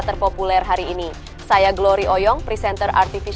kedua duanya berharap bisa melanjutkan kerjasama antar kedua negara